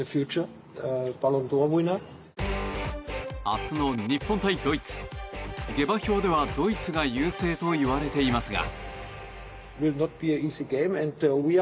明日の日本対ドイツ下馬評ではドイツが優勢といわれていますが。